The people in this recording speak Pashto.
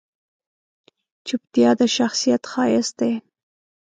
چپتیا، د شخصیت ښایست دی.